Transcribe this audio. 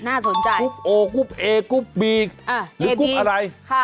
สนใจกรุ๊ปโอกรุ๊ปเอกรุ๊ปบีกหรือกรุ๊ปอะไร